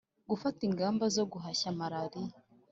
Gufata ingamba zo guhashya malaria